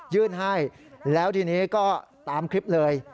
ยื่นให้แล้วทีนี้ก็ตามคลิปเลย